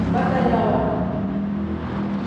Batayaawa.